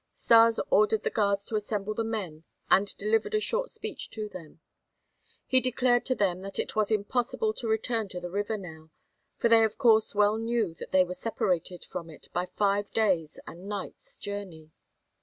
Stas ordered the guards to assemble the men and delivered a short speech to them. He declared to them that it was impossible to return to the river now, for they of course well knew that they were separated from it by five days' and nights' journey.